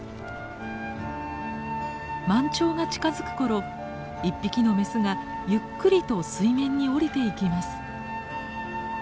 満潮が近づく頃一匹のメスがゆっくりと水面に下りていきます。